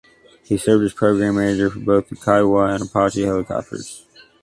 He served as program manager for both the Kiowa and Apache helicopters.